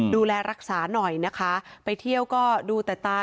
ดูแลรักษาหน่อยนะคะไปเที่ยวก็ดูแต่ตา